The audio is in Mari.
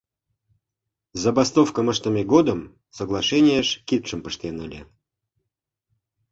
Забастовкым ыштыме годым соглашениеш кидшым пыштен ыле.